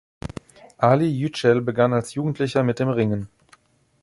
Ali Yücel begann als Jugendlicher mit dem Ringen.